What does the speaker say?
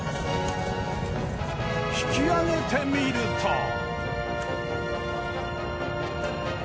引きあげてみると。